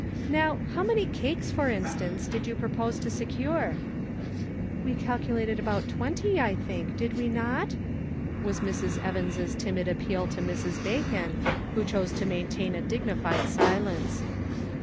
Now, how many cakes for instance, did you propose to secure ?" "We calculated about twenty, I think, did we not?" was Mrs. Evans' timid appeal to Mrs. Bacon, who chose to maintain a dignified silence.